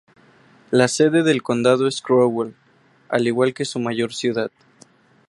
La sede del condado es Crowell, al igual que su mayor ciudad.